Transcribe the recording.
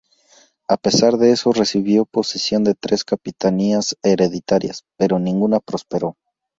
A pesar de eso, recibió posesión de tres capitanías hereditarias, pero ninguna prosperó.